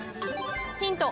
ヒント